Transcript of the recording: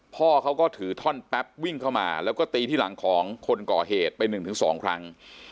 พ่อเขาก็ถือท่อนแป๊บวิ่งเข้ามาแล้วก็ตีที่หลังของคนก่อเหตุไป๑๒ครั้ง